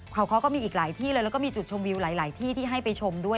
เขาก็มีอีกหลายที่เลยแล้วก็มีจุดชมวิวหลายที่ที่ให้ไปชมด้วย